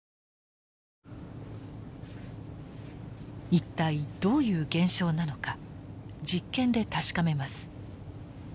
一体どういう現象なのか実験で確かめます。